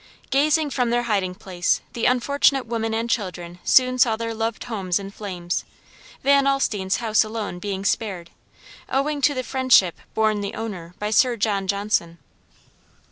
Gazing from their hiding place the unfortunate women and children soon saw their loved homes in flames, Van Alstine's house alone being spared, owing to the friendship borne the owner by Sir John Johnson.